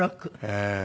ええ。